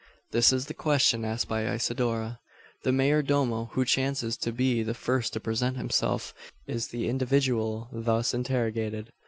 This is the question asked by Isidora. The mayor domo who chances to be the first to present himself is the individual thus interrogated.